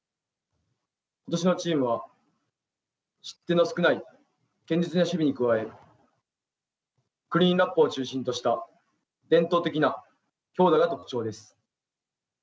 ことしのチームは失点の少ない堅実な守備に加えクリーンナップを中心とした伝統的な強打が特徴です。